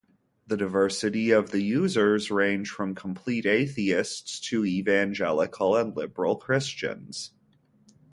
The diversity of the users range from complete atheists to evangelical and liberal Christians.